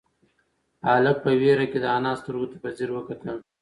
هلک په وېره کې د انا سترگو ته په ځير وکتل.